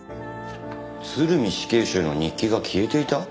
鶴見死刑囚の日記が消えていた？